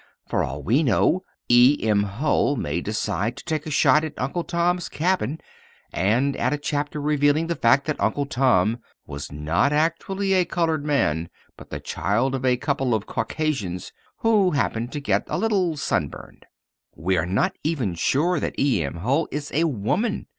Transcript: For all we know E. M. Hull may decide to take a shot at Uncle Tom's Cabin and add a chapter revealing the fact that Uncle Tom was not actually a colored man but the child of a couple of Caucasians who had happened to get a little sunburned. We are not even sure that E. M. Hull is a woman.